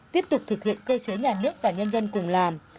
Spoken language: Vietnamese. tiếp tục thực hiện cơ chế nhà nước và nhân dân cùng làm